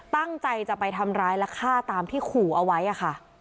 ตั้งใจจะไปทำร้ายและฆ่าตามที่ขู่เอาไว้ค่ะ